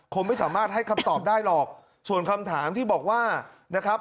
คงไม่สามารถให้คำตอบได้หรอกส่วนคำถามที่บอกว่านะครับ